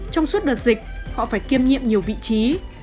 trong suốt đợt dịch họ phải kiêm nhiệm nhiều vị trí